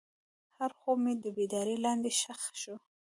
هر خوب مې د بیدارۍ لاندې ښخ شو.